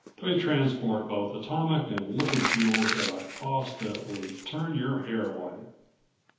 They transport both atomic and liquid fuels at a cost that would turn your hair white."